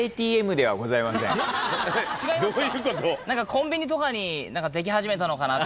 コンビニとかにでき始めたのかなっていう。